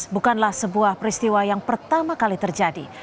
bukanlah sebuah peristiwa yang pertama kali terjadi